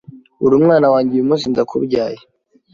‘Uri Umwana wanjye, uyu munsi ndakubyaye.